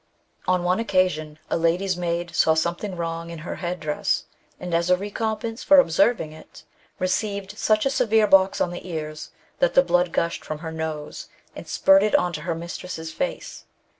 On one occasion, a lady's maid saw something wrong in her Head dress, and as a recompencefor observing it, received such a severe box on the ears that the blood gushed from her nose, and spirted on to her mistress's face.